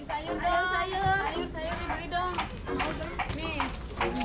sayur sayur diberi dong